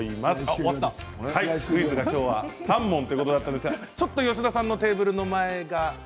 今日はクイズが３問ということだったんですが、ちょっと吉田さんのテーブルの前が。